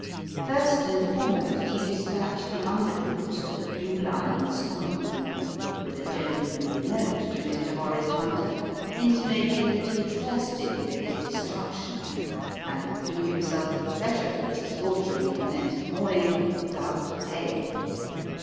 First and foremost, he despatched the under boots to the Blue Lion and Stomach warmer, with a gentlemanly note to Mr. Horace Hunter, intimating that he thirsted for his destruction and would do himself the pleasure of slaughtering him next morning, without fail.